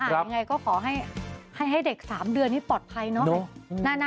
ยังไงก็ขอให้เด็ก๓เดือนนี้ปลอดภัยเนอะ